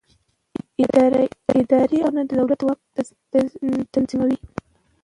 اداري حقوق د دولت واک تنظیموي.